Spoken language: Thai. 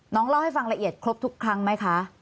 น้องเล่าให้ฟังละเอียดครบทุกครั้งไหมคะ